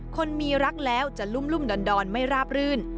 คนมีรักแล้วจะลุ่มดอนไม่ราบรื่น